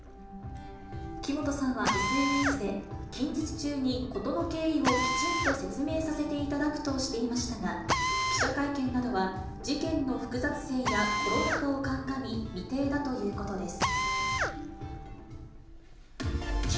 木本さんはＳＮＳで、近日中に事の経緯をきちんと説明させていただくとしていましたが、記者会見などは事件の複雑性やコロナ禍を鑑み、未定だということです。